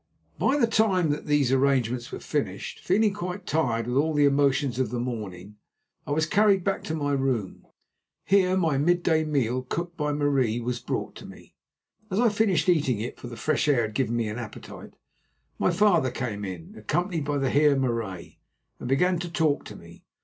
By the time that these arrangements were finished, feeling quite tired with all the emotions of the morning, I was carried back to my room. Here my midday meal, cooked by Marie, was brought to me. As I finished eating it, for the fresh air had given me an appetite, my father came in, accompanied by the Heer Marais, and began to talk to me.